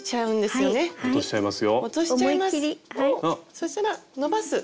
そしたら伸ばす？